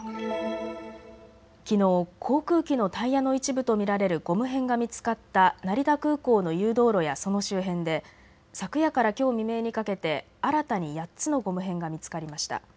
きのう航空機のタイヤの一部と見られるゴム片が見つかった成田空港の誘導路やその周辺で昨夜からきょう未明にかけて新たに８つのゴム片が見つかりました。